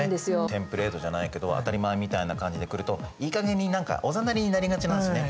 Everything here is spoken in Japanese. テンプレートじゃないけど当たり前みたいな感じで来るといいかげんに何かおざなりになりがちなんですよね。